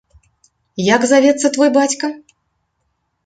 Як завецца твой бацька?